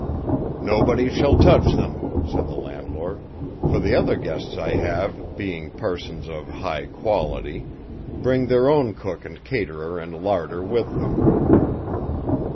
"Nobody shall touch them," said the landlord; "for the other guests I have, being persons of high quality, bring their own cook and caterer and larder with them."